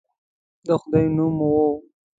د خدای نوم وو.